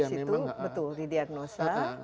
dari situ betul di diagnosa